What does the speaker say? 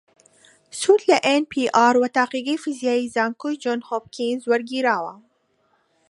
سود لە ئێن پی ئاڕ و تاقیگەی فیزیایی زانکۆی جۆن هۆپکینز وەرگیراوە